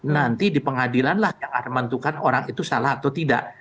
nanti di pengadilan lah yang akan menentukan orang itu salah atau tidak